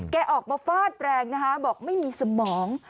ออกมาฟาดแรงนะคะบอกไม่มีสมอง